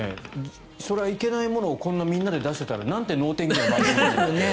それはいけないものをこんなみんなで出していたらなんて能天気な番組。